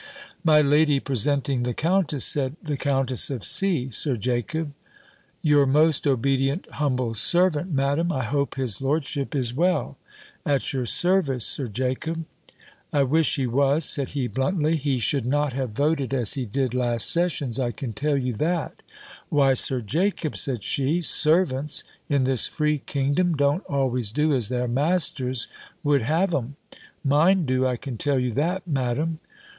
My lady presenting the countess, said, "The Countess of C., Sir Jacob!" "Your most obedient humble servant, Madam. I hope his lordship is well." "At your service, Sir Jacob." "I wish he was," said he, bluntly; "he should not have voted as he did last sessions, I can tell you that." "Why, Sir Jacob," said she, "servants, in this free kingdom, don't always do as their masters would have 'em." "Mine do, I can tell you that. Madam."